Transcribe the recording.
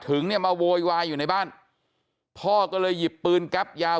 ถึงเนี่ยมาโวยวายอยู่ในบ้านพ่อก็เลยหยิบปืนแก๊ปยาว